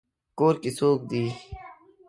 کور کې څوک دی؟